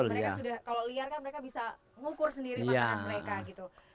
mereka sudah kalau liar kan mereka bisa mengukur sendiri makanan mereka gitu